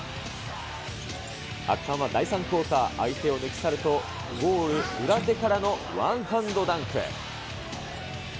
圧巻は第３クオーター、相手を抜き去ると、ゴール裏手からのワンハンドダンク。